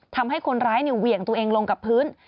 ทำให้คนร้ายเหวี่ยงตัวเองลงกับพื้น